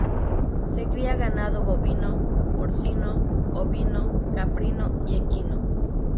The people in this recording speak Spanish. Se cría ganado bovino, porcino, ovino, caprino y equino.